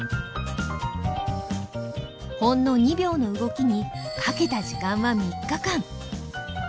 ほんの２秒の動きにかけた時間は３日間。